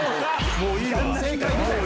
もういいわ。